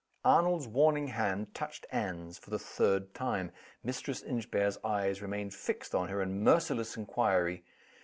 Arnold's warning hand touched Anne's, for the third time. Mistress Inchbare's eyes remained fixed on her in merciless inquiry.